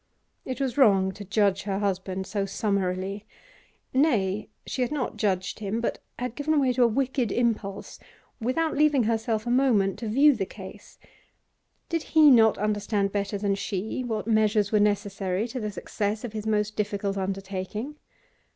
It was wrong to judge her husband so summarily; nay, she had not judged him, but had given way to a wicked impulse, without leaving herself a moment to view the case. Did he not understand better than she what measures were necessary to the success of his most difficult undertaking?